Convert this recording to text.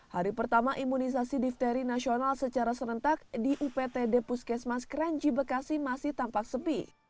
hari pertama imunisasi difteri nasional secara serentak di uptd puskesmas kranji bekasi masih tampak sepi